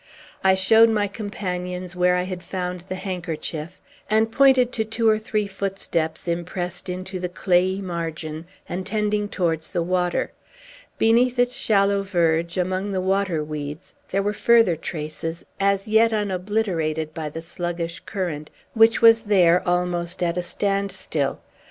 I showed my companions where I had found the handkerchief, and pointed to two or three footsteps, impressed into the clayey margin, and tending towards the water. Beneath its shallow verge, among the water weeds, there were further traces, as yet unobliterated by the sluggish current, which was there almost at a standstill.